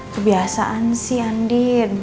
kebiasaan sih andin